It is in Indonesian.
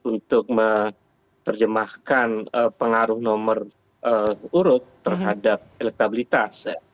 untuk menerjemahkan pengaruh nomor urut terhadap elektabilitas